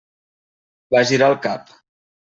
Va girar el cap.